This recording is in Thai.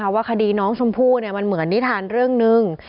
ว่าคดีน้องชมพู่มันเหมือนนิทานเรื่องหนึ่ง